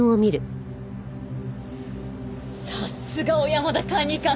さすが小山田管理官！